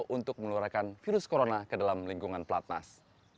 untuk melurahkan virus corona ke dalam lingkungan platnas